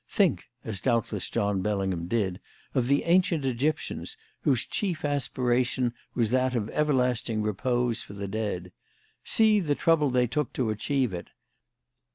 Think as doubtless John Bellingham did of the ancient Egyptians, whose chief aspiration was that of everlasting repose for the dead. See the trouble they took to achieve it.